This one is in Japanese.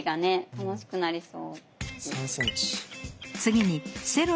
楽しくなりそう。